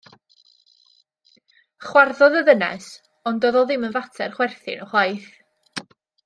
Chwarddodd y ddynes, ond doedd o ddim yn fater chwerthin ychwaith.